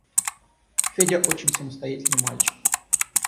Федя очень самостоятельный мальчик.